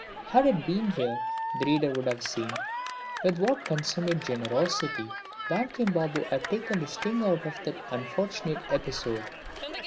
Had it been here the reader could have seen with what consummate generosity Bankim Babu had taken the sting out of that unfortunate episode.